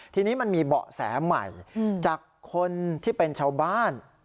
ทีนี้มันมีเบาะแสใหม่จากคนที่เป็นชาวบ้าน